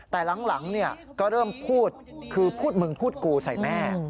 แต่หลังก็เริ่มพูดคือพูดมึงพูดกูใส่แม่